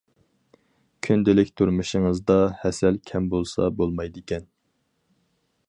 كۈندىلىك تۇرمۇشىڭىزدا ھەسەل كەم بولسا بولمايدىكەن.